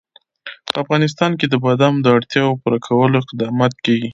په افغانستان کې د بادامو د اړتیاوو پوره کولو اقدامات کېږي.